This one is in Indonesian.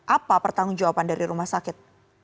apa pertanggung jawaban dari rumah sakit